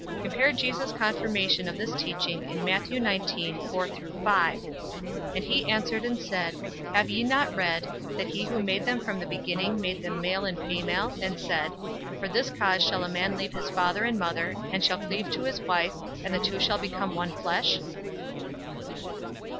Compare Jesus' confirmation of this teaching in Matthew 19:4 5: "And he answered and said, Have ye not read, that he who made them from the beginning made them male and female, and said, For this cause shall a man leave his father and mother, and shall cleave to his wife: and the two shall become one flesh?"